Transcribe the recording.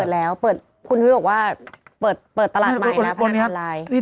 แล้วคุณชุวิตบอกว่าเปิดตลาดใหม่นะ